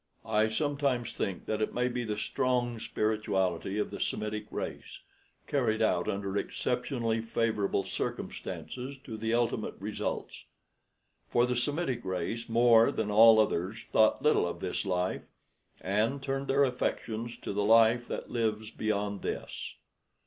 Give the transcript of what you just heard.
I sometimes think that it may be the strong spirituality of the Semitic race, carried out under exceptionally favorable circumstances to the ultimate results; for the Semitic race more than all others thought little of this life, and turned their affections to the life that lives beyond this.